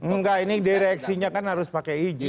enggak ini direksinya kan harus pakai izin